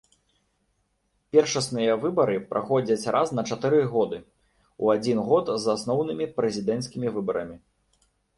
Першасныя выбары праходзяць раз на чатыры годы, у адзін год з асноўнымі прэзідэнцкімі выбарамі.